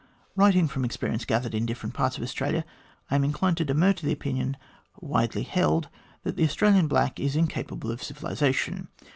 "Writing from experience gathered in different parts of Australia, I am inclined to demur to the opinion widely held that the Australian black is incapable of civilisation.